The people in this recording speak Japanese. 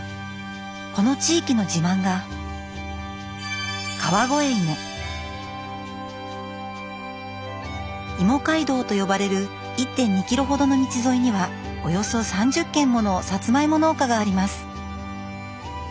この地域の自慢がいも街道と呼ばれる１．２キロほどの道沿いにはおよそ３０軒ものさつまいも農家があります。